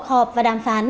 các quốc họp và đàm phán